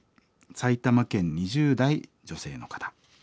埼玉県２０代女性の方。